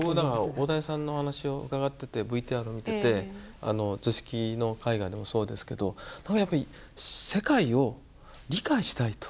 大谷さんのお話を伺っててＶＴＲを見てて図式の絵画でもそうですけどやっぱり世界を理解したいと。